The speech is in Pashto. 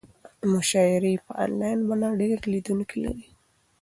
مشاعرې په انلاین بڼه ډېر لیدونکي لري.